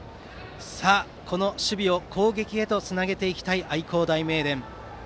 この守備を攻撃につなげたい愛工大名電。